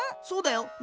そうだよ。